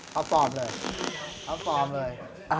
คับฟอร์มเลย